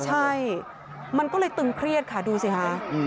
ใช่มันก็เลยตึงเครียดค่ะดูสิค่ะ